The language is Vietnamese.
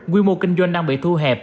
quy mô kinh doanh đang bị thu hẹp